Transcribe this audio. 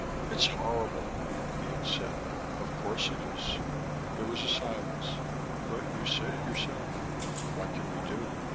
"It's horrible," he had said. "Of course it is." There was a silence. "But you said it yourself: what can we do?